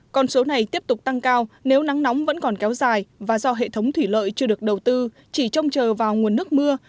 con số này tiếp tục tăng cao nếu nắng nóng vẫn còn kéo dài và do hệ thống thủy lợi chưa được đầu tư chỉ trông chờ vào nguồn nước mưa